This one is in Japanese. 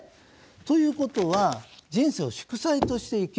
ということは人生を祝祭として生きる。